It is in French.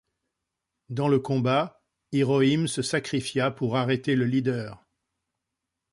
Dans le combat, Hiroim se sacrifia pour arrêter le Leader.